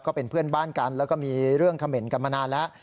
ก็เป็นเพื่อนบ้านกันแล้วก็มีเรื่องเขม่นกันมานานแล้ว